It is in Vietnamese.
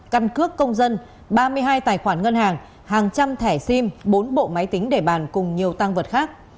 căn cước công dân ba mươi hai tài khoản ngân hàng hàng trăm thẻ sim bốn bộ máy tính để bàn cùng nhiều tăng vật khác